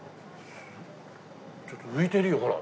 ちょっと浮いてるよほら。